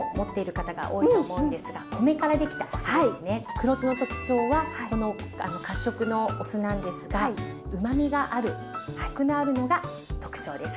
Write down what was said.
黒酢の特徴はこの褐色のお酢なんですがうまみがあるコクのあるのが特徴です。